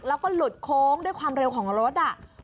แล้วก็หลุดโค้งด้วยความเร็วของรถ